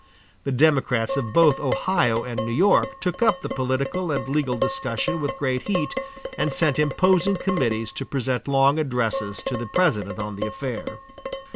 The Democrats of both Ohio and New York took up the political and legal discussion with great heat, and sent imposing committees to present long addresses to the President on the affair.